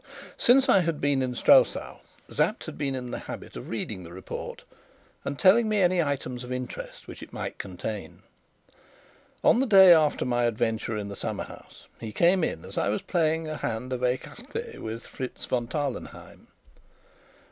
Since I had been in Strelsau, Sapt had been in the habit of reading the report and telling me any items of interest which it might contain. On the day after my adventure in the summer house, he came in as I was playing a hand of écarté with Fritz von Tarlenheim.